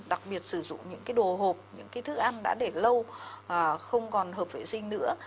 đặc biệt sử dụng những cái đồ hộp những cái thức ăn đã để lâu không còn hợp vệ sinh nữa